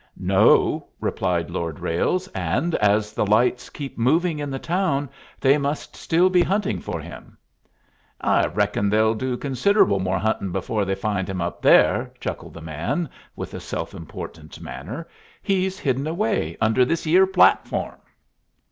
"No," replied Lord Ralles. "And, as the lights keep moving in the town, they must still be hunting for him." "I reckon they'll do considerable more huntin' before they find him up there," chuckled the man, with a self important manner. "He's hidden away under this ere platform."